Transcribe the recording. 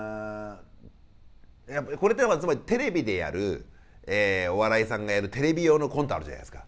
これってやっぱつまりテレビでやるお笑いさんがやるテレビ用のコントあるじゃないですか。